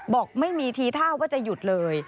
บอกไม่มีทีท่าว่าจะหยุดเลย